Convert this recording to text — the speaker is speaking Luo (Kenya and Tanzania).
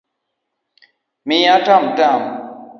Miya tamtam